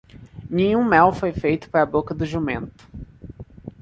Nenhum mel foi feito para a boca do jumento.